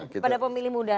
kepada pemilih muda